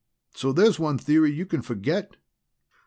So there's one theory you can forget."